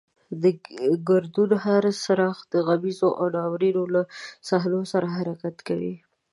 د ګردون هر څرخ د غمیزو او ناورینونو له صحنو سره حرکت کوي.